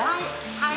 はい。